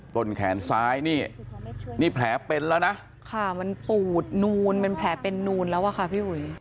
ต้นแขนซ้ายนี่นี่แผลเป็นแล้วนะค่ะมันปูดนูนเป็นแผลเป็นนูนแล้วอะค่ะพี่อุ๋ย